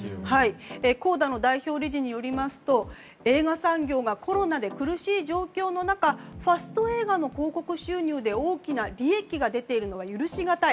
ＣＯＤＡの代表理事によりますと映画産業がコロナで苦しい状況の中ファスト映画の広告収入で大きな利益が出ているのは許しがたい。